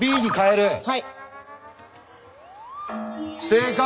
正解！